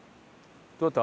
どうだった？